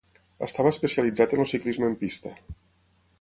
Estava especialitzat en el ciclisme en pista.